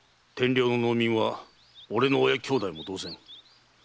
天領の農民は俺の親兄弟も同然。